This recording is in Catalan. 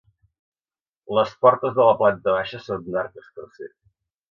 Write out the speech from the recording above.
Les portes de la planta baixa són d'arc escarser.